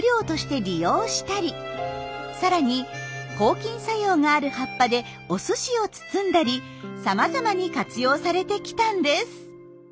さらに抗菌作用がある葉っぱでおすしを包んだりさまざまに活用されてきたんです。